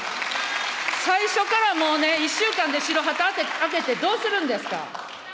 最初からもうね、１週間で白旗あげてどうするんですか。